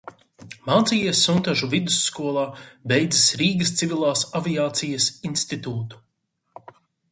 Mācījies Suntažu vidusskolā, beidzis Rīgas Civilās aviācijas institūtu.